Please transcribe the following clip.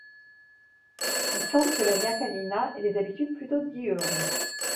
Il semble que la ñacaniná ait des habitudes plutôt diurnes.